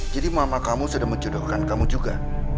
jadi mama kamu sudah mencodokkan kamu juga